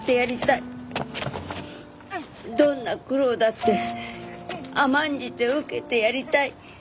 どんな苦労だって甘んじて受けてやりたい。